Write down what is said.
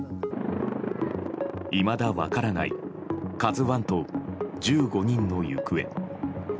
いまだ分からない「ＫＡＺＵ１」と１５人の行方。